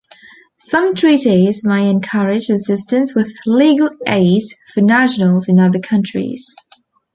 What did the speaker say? Some treaties may encourage assistance with legal aid for nationals in other countries.